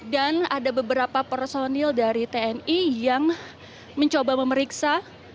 dan ada beberapa personil dari tni yang mencoba memeriksa